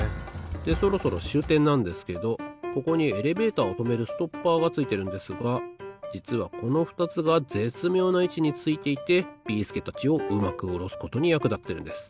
でそろそろしゅうてんなんですけどここにエレベーターをとめるストッパーがついてるんですがじつはこのふたつがぜつみょうないちについていてビーすけたちをうまくおろすことにやくだってるんです。